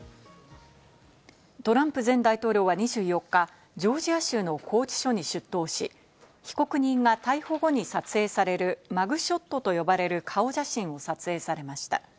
トランプ前大統領は２４日、ジョージア州の拘置所に出頭し、被告人が逮捕後に撮影されるマグショットと呼ばれる顔写真を撮影されました。